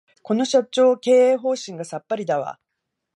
この社長、経営方針がさっぱりだわ